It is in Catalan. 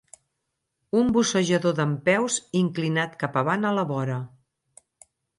Un bussejador dempeus inclinat cap avant a la vora